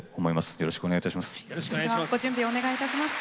よろしくお願いします。